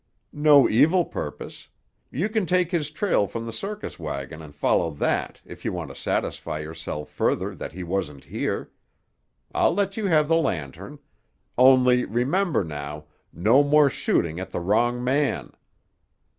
"No evil purpose. You can take his trail from the circus wagon and follow that, if you want to satisfy yourself further that he wasn't here. I'll let you have the lantern. Only, remember, now! No more shooting at the wrong man!"